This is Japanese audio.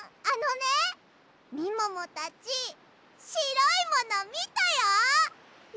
あのねみももたちしろいものみたよ！